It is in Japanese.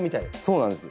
そうなんです。